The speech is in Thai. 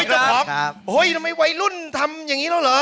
ทำไมวัยรุ่นทำอย่างนี้แล้วเหรอ